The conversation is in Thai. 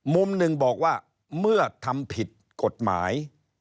มุมหนึ่งบอกว่าเมื่อทำผิดกฎหมาย